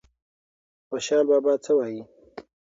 خوشال بابا څه وایي؟